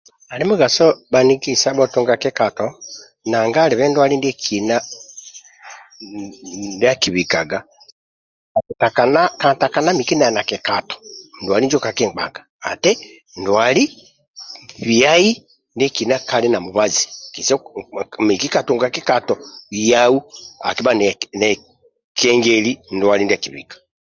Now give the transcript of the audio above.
Ali mugaso bhaniki isabho tunga kikato nanga alibe ndwali ndiekina ndia akibikaga kakutana kantana miki nali na kikato ndwali injo kakingbaga ati ndwali biai ndiekina kali na mubazi kise miki katunga kikato yau akibhaga nekengeli ndwali ndia akibika